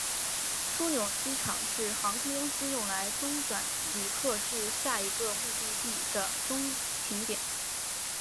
枢纽机场是航空公司用来中转旅客至下一个目的地的中停点。